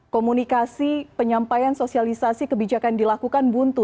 komunikasi penyampaian sosialisasi kebijakan dilakukan buntu